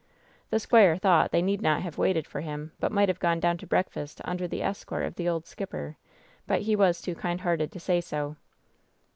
The squire thought they need not have waited for him, but might have gone down to breakfast imder the escort of the old skipper, but he was too kind hearted to say so.